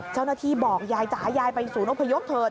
เจ้าหน้าที่บอกยายจะให้ยายไปศูนย์อุปยกเถิด